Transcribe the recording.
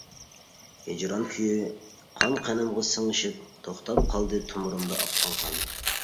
ھىجران كۈيى قان-قېنىمغا سىڭىشىپ، توختاپ قالدى تومۇرۇمدا ئاققان قان.